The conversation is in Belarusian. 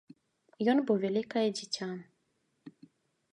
Ён быў вялікае дзіця.